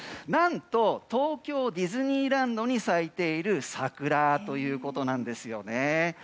何と、東京ディズニーランドに咲いている桜ということなんですよ。